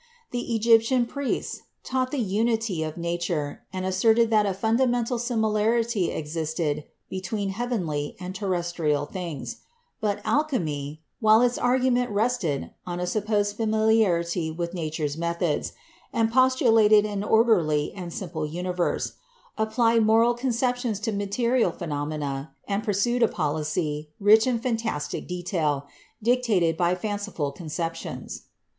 The Egyptian priests taught the unity of nature and as serted that a fundamental similarity existed between heav enly and terrestrial things ; but alchemy, while its argument rested on a supposed familiarity with Nature's methods, and postulated an orderly and simple universe, applied moral conceptions to material phenomena and pursued a policy, rich in fantastic detail, dictated by fanciful concep tions.